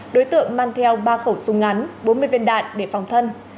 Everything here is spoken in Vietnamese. đối tượng mang theo ba khẩu súng ngắn bốn mươi viên đạn để phòng thân